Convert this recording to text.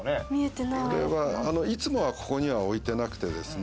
いつもはここには置いてなくてですね。